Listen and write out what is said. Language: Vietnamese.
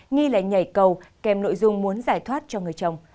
nghi lấy nhảy cầu kèm nội dung muốn giải thoát cho người chồng